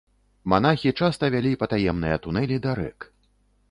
Манахі часта вялі патаемныя тунэлі да рэк.